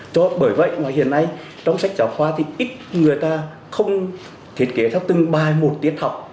cho bởi vậy mà hiện nay trong sách giáo khoa thì ít người ta không thiết kế theo từng bài một tiết học